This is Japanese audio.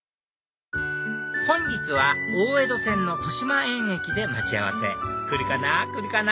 本日は大江戸線の豊島園駅で待ち合わせ来るかな来るかな？